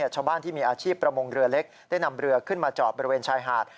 ชาวบ้านที่มีอาชีพประมงเรือเล็กได้นำเรือขึ้นมาจอดบริเวณชายหาด